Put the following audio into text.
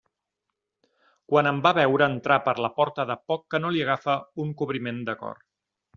Quan em va veure entrar per la porta de poc que no li agafa un cobriment de cor.